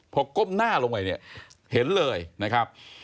พอก้มหน้าลงไปเนี่ยเห็นเลยนะครับ